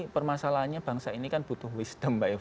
permasalahannya bangsa ini kan butuh wisdom mbak eva